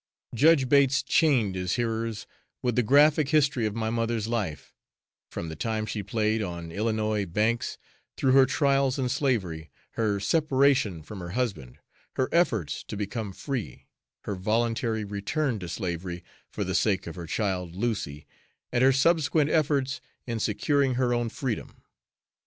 Judge Bates chained his hearers with the graphic history of my mother's life, from the time she played on Illinois banks, through her trials in slavery, her separation from her husband, her efforts to become free, her voluntary return to slavery for the sake of her child, Lucy, and her subsequent efforts in securing her own freedom.